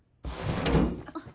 あっ。